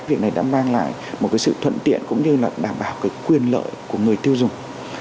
việc này đã mang lại một cái sự thuận tiện cũng như là đảm bảo cái quyền lợi của người tiêu dùng